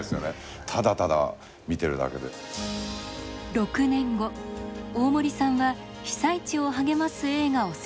６年後大森さんは被災地を励ます映画を製作。